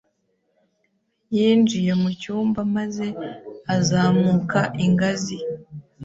Yinjiye mu cyumba maze azamuka ingazi.